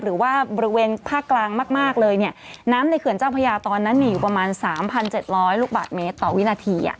หรือว่าบริเวณภาคกลางมากเลยเนี่ยน้ำในเขื่อนเจ้าพระยาตอนนั้นมีอยู่ประมาณ๓๗๐๐ลูกบาทเมตรต่อวินาที